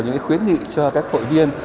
những khuyến nghị cho các hội viên